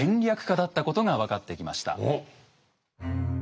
家だったことが分かってきました。